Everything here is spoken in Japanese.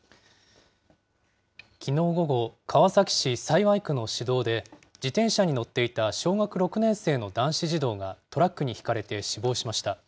きのう午後、川崎市幸区の市道で、自転車に乗っていた小学６年生の男子児童がトラックにひかれて死亡しました。